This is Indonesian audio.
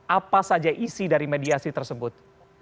apa saja isi dari mediasi tersebut